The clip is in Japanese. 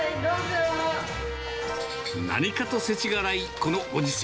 何かとせちがらいこのご時世。